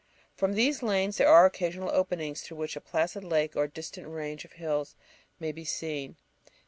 From these lanes there are occasional openings, through which a placid lake or a distant range of hills may be seen.